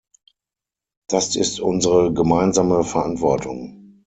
Das ist unsere gemeinsame Verantwortung.